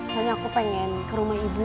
soalnya aku pengen ke rumah ibu